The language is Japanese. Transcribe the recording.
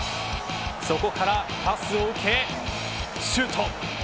そこからパスを受けシュート。